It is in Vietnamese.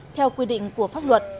theo quy định của pháp luật